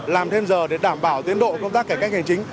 làm thêm giờ để đảm bảo tiến độ công tác cải cách hành chính